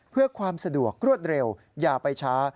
เพื่อความสะดวกรวดเร็วอย่าไปช้า